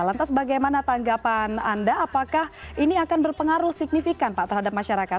lantas bagaimana tanggapan anda apakah ini akan berpengaruh signifikan pak terhadap masyarakat